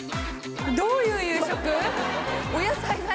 どういう夕食？